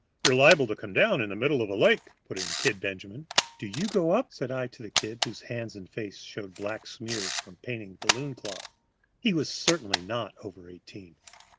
"You're liable to come down in the middle of a lake," put in "Kid" Benjamin. "Do you go up?" said I to the "Kid," whose hands and face showed black smears from painting balloon cloth. He was certainly not over eighteen.